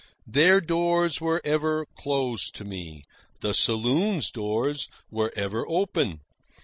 Their doors were ever closed to me; the saloon's doors were ever open.